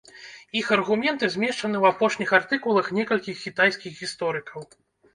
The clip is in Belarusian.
Іх аргументы змешчаны ў апошніх артыкулах некалькіх кітайскіх гісторыкаў.